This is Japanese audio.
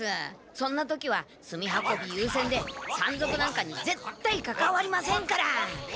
そんな時は炭運びゆうせんで山賊なんかにぜったいかかわりませんから。